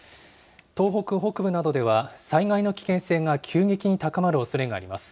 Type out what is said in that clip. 東北北部などでは、災害の危険性が急激に高まるおそれがあります。